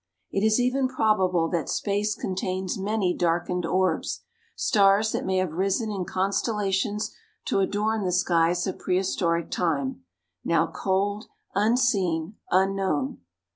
It is even probable that space contains many darkened orbs, stars that may have risen in constellations to adorn the skies of prehistoric time now cold, unseen, unknown.